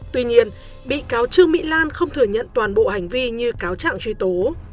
tuy nhiên bị cáo trương mỹ lan không thừa nhận toàn bộ hành vi như cáo trạng truy tố